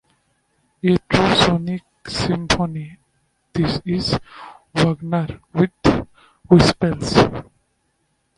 A true sonic symphony, this is Wagner with whiplash.